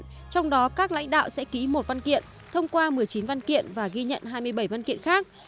trong đó các lãnh đạo sẽ ký một văn kiện thông qua một mươi chín văn kiện và ghi nhận hai mươi bảy văn kiện khác